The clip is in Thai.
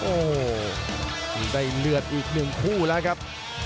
โอ้โหได้เลือดอีกหนึ่งคู่แล้วครับ